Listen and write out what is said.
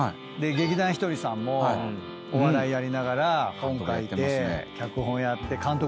劇団ひとりさんもお笑いやりながら本書いて脚本やって監督もやってるじゃないですか。